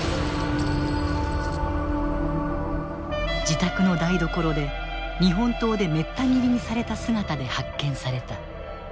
自宅の台所で日本刀でめった斬りにされた姿で発見された。